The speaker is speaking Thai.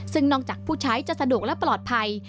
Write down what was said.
ซึ่งนอกจากผู้ใช้จะสะดวกและปลอดภัย